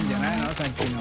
さっきの。